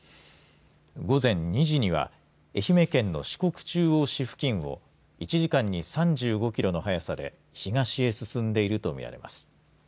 午前２時には愛媛県の四国中央市付近を１時間に３５キロの速さで東へ進んでいるとみられます。